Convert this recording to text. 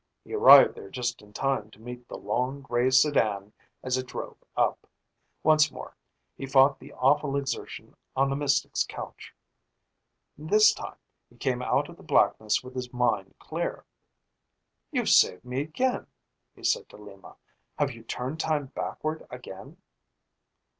He arrived there just in time to meet the long gray sedan as it drove up. Once more he fought the awful exertion on the mystic's couch. This time he came out of the blackness with his mind clear. "You've saved me again," he said to Lima. "Have you turned time backward again?"